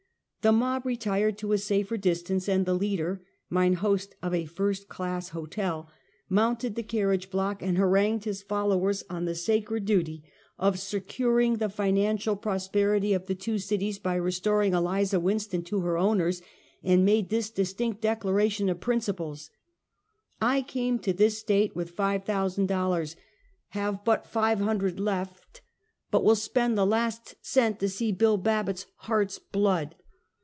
The mob retired to a safer distance, and the leader — mine host of a first class hotel — mounted the carriage block and harangued his followers on the sacred duty of securing 176 Half a Centuey. the financial prosperity of the two cities bj^ restoring Eliza "Winston to her owners, and made this distinct declaration of principles : "I came to this State with five thousand dollars; have but five hundred left, but will spend the last cent to see 'Bill' Babbitt's heart's blood."